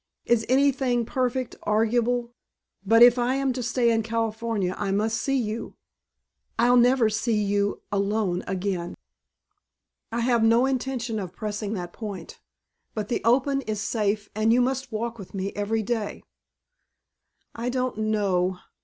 Is anything perfect arguable? But if I am to stay in San Francisco I must see you." "I'll never see you alone again." "I have no intention of pressing that point! But the open is safe and you must walk with me every day." "I don't know!